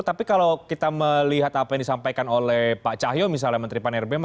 tapi kalau kita melihat apa yang disampaikan oleh pak cahyo misalnya menteri pan rb